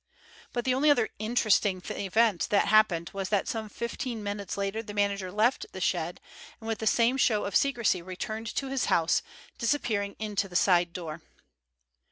But the only other interesting event that happened was that some fifteen minutes later the manager left the shed, and with the same show of secrecy returned to his house, disappearing into the side door.